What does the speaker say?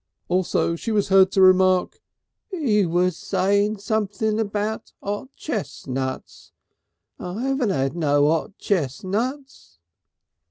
Also she was heard to remark: "'E was saying something about 'ot chestnuts. I 'aven't 'ad no 'ot chestnuts."